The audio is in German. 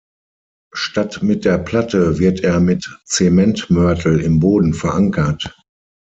Statt mit der Platte wird er mit Zementmörtel im Boden verankert.